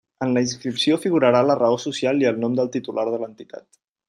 En la inscripció figurarà la raó social i el nom del titular de l'entitat.